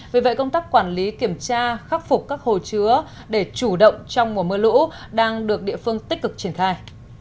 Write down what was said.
vì vậy công tác quản lý kiểm tra khắc phục các hồ chứa để chủ động trong mùa mưa lũ đang được địa phương tích cực triển khai